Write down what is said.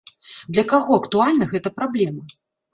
Для каго актуальна гэта праблема?